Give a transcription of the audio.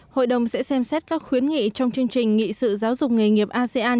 hội đồng sẽ xem xét các khuyến nghị trong chương trình nghị sự giáo dục nghề nghiệp asean